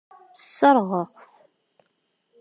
Sserɣeɣ-t.